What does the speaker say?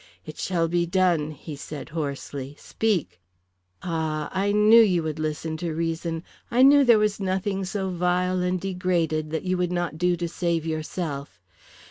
"It shall be done," he said hoarsely. "Speak." "Ah, I knew you would listen to reason; I knew there was nothing so vile and degraded that you would not do to save yourself.